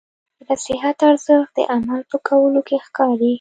د نصیحت ارزښت د عمل په کولو کې ښکاري.